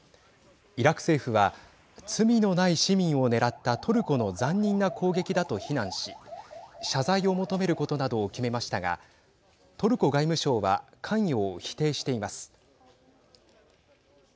イラク政府は罪のない市民を狙ったトルコの残忍な攻撃だと非難し謝罪を求めることなどを決めましたがトルコ外務省は関与を否定しています。